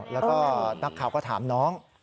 แล้วก็นักข่าวก็ถามน้อง